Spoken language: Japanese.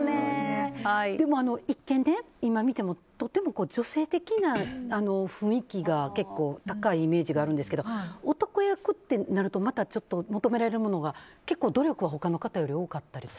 一見、今見てもとても女性的な雰囲気が結構高いイメージなんですが男役ってなるとまたちょっと求められるものが結構努力は他の方より多かったり？